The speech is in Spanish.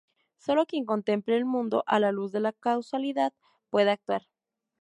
Sólo quien contemple el mundo a la luz de la causalidad puede actuar.